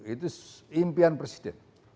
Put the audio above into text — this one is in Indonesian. itu impian presiden